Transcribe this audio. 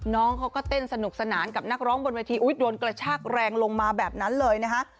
น้องเขาก็เต้นสนุกสนานกับนักร้องบนเวทีโดนกระชากแรงลงมาแบบนั้นเลยนะคะ